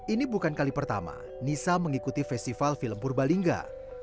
ini bukan kali pertama nisa mengikuti festival film purbalingga